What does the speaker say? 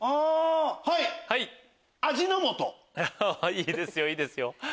いいですよいいですよ。